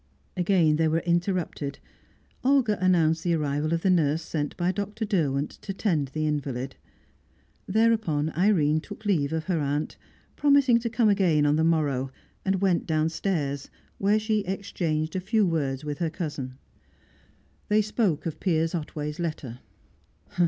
Again they were interrupted. Olga announced the arrival of the nurse sent by Dr. Derwent to tend the invalid. Thereupon Irene took leave of her aunt, promising to come again on the morrow, and went downstairs, where she exchanged a few words with her cousin. They spoke of Piers Otway's letter.